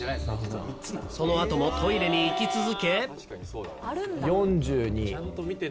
そのあともトイレに行き続け。